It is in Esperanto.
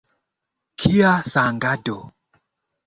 Kia sangado!